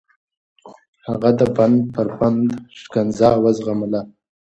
هغه د بند پر بند شکنجه وزغمله.